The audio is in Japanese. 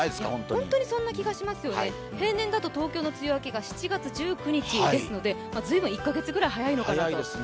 本当にそんな気がしますよね、平年だと梅雨明けが７月１９日ですので１カ月ぐらい早いのかなと。